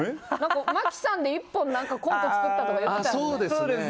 麻貴さんで１本コント作ったとか言ってた。